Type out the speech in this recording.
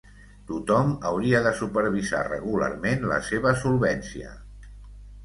Tothom hauria de supervisar regularment la seva solvència.